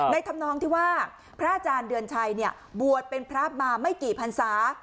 ทำนองที่ว่าพระอาจารย์เดือนชัยบวชเป็นพระมาไม่กี่พันศา